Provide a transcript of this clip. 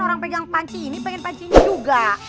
orang pegang panci ini pengen pancinya juga